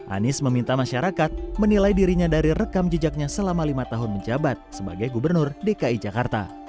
anies meminta masyarakat menilai dirinya dari rekam jejaknya selama lima tahun menjabat sebagai gubernur dki jakarta